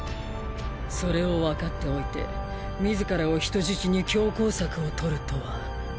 それをわかっておいて自らを人質に強硬策をとるとは。